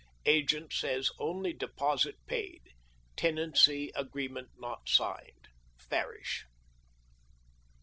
Agent says only deposit paid — tenancy agreement not signed. — Farrish.